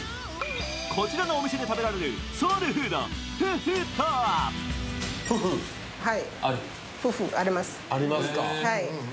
こちらのお店で食べられるソールフード・フフとは。